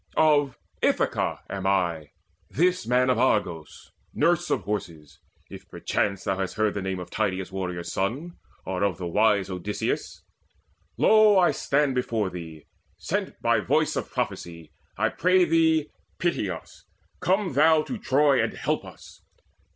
Of Ithaca am I: this man Of Argos, nurse of horses if perchance Thou hast heard the name of Tydeus' warrior son Or of the wise Odysseus. Lo, I stand Before thee, sent by voice of prophecy. I pray thee, pity us: come thou to Troy And help us.